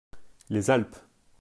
Les Alpes.